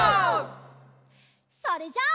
それじゃあ。